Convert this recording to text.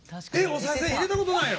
おさい銭入れたことないの？